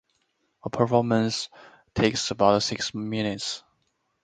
A performance takes about six minutes.